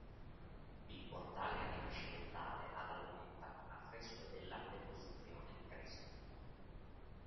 Il portale rinascimentale ha la lunetta con affresco della "Deposizione di Cristo".